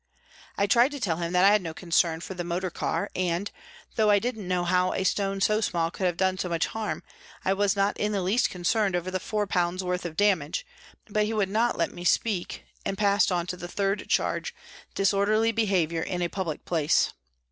I tried to tell him that I had no concern for the motor car, and, though I didn't know how a stone so small could have done so much harm, I was not in the least concerned over the 4 worth of damage, but he would not let me speak and passed on to the third charge, " disorderly behaviour in a public place."